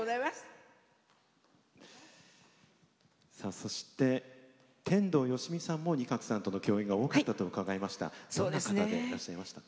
そして、天童よしみさんも仁鶴さんとの共演が多かったと伺いました。